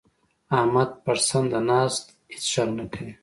احمد پړسنده ناست؛ هيڅ ږغ نه کوي.